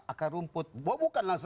akar rumput bukanlah